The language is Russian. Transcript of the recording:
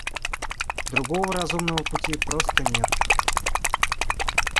Другого разумного пути просто нет.